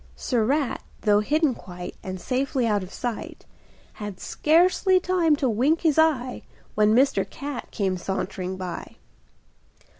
Sir Rat, though hidden quite, And safely out of sight, Had scarcely time to wink his eye, When Mr. Cat came sauntering by.